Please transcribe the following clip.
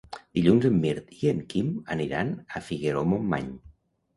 Dilluns en Mirt i en Quim aniran a Figaró-Montmany.